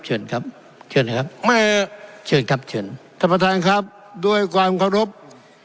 เชิญครับเชิญครับท่านประทานครับด้วยความโคตรพิพธิ์